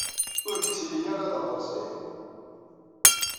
Ur k-ttili ara d aɣersiw!